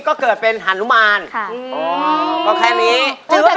เจ้าฮานุมานออกยังเหรอ